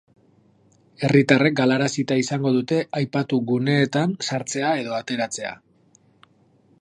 Herritarrek galarazita izango dute aipatu guneetan sartzea edo ateratzea.